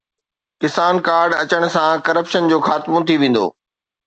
ڪسان card اچڻ سان corruption جو خاتمو ٿي ويندو